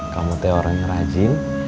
kamu teh orang rajin